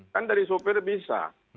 kan dari sopir bisa